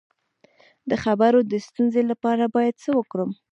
د خبرو د ستونزې لپاره باید څه وکړم؟